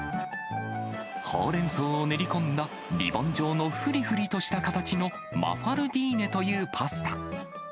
ほうれん草を練り込んだリボン状のふりふりとした形の、マファルディーネというパスタ。